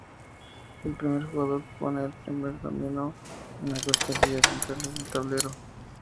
El primer jugador pone el primer dominó en las dos casillas centrales del tablero.